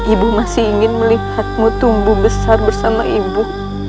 ibu masih ingin melihatmu tumbuh besar bersama ibu